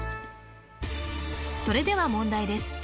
それでは問題です